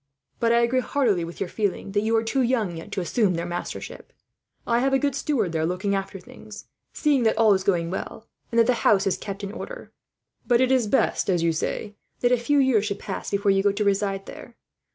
But I agree heartily with your feeling that you are too young, yet, to assume their mastership. I have a good steward there looking after things, seeing that all goes well, and that the house is kept in order. But it is best, as you say, that a few years should pass before you go to reside there.